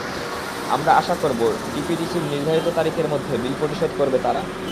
আমরা আশা করব, ডিপিডিসির নির্ধারিত তারিখের মধ্যে বিল পরিশোধ করবে তারা।